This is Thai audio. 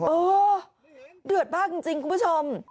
โอ้โฮเดือดบ้างจริงคุณผู้ชม